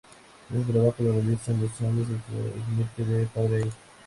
Este trabajo lo realizan los hombres y se transmite de padre a hijos.